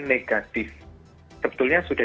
negatif sebetulnya sudah